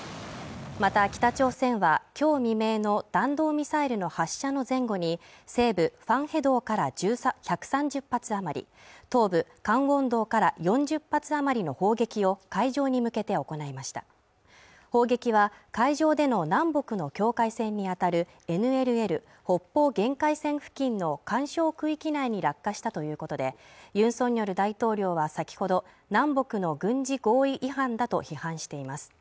また北朝鮮はきょう未明の弾道ミサイルの発射の前後に西部ファンヘドから１３０発余り東部カンウォンドから４０発余りの砲撃を海上に向けて行いました砲撃は海上での南北の境界線に当たるＮＬＬ＝北方限界線付近の緩衝区域内に落下したということでユン・ソンニョル大統領は先ほど南北の軍事合意違反だと批判しています